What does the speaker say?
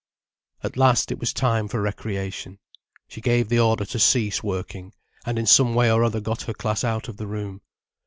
At last it was time for recreation. She gave the order to cease working, and in some way or other got her class out of the room.